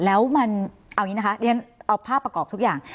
แล้วมันเอาอย่างนี้นะคะเรียนเอาภาพประกอบทุกอย่าง